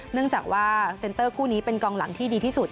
เนื่องจากว่าเซ็นเตอร์คู่นี้เป็นกองหลังที่ดีที่สุด